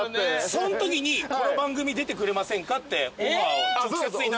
そんときにこの番組出てくれませんかってオファーを直接頂いて。